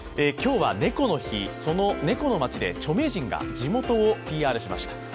今日は猫の日、その猫の街で著名人が地元をＰＲしました。